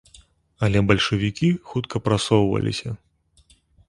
Але бальшавікі хутка прасоўваліся.